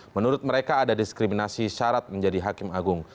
menurut mereka ada diskriminasi syarat menjadi hakim agung